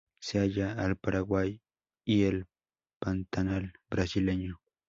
Se halla al Paraguay y el Pantanal brasileño.